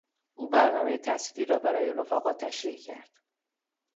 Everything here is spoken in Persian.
او برنامهٔ تحصیلی را برای رفقا تشریح کرد.